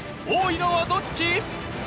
多いのはどっち？